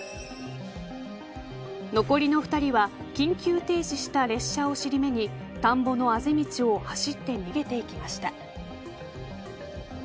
残りの２人は緊急停止した列車を尻目に田んぼのあぜ道を走って逃げていきました。